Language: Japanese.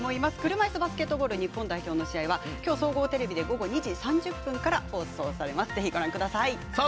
車いすバスケットボール日本代表の試合はきょう総合テレビで午後２時３０分から放送されますご覧ください。